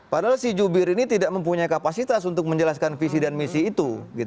padahal si jubir ini tidak mempunyai kapasitas untuk menjelaskan visi dan misi itu